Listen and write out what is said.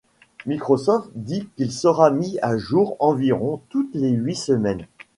Microsoft dit qu'il sera mis à jour environ toutes les huit semaines.